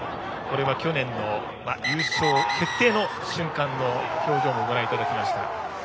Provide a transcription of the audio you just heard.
去年の優勝決定の瞬間の表情もご覧いただきました。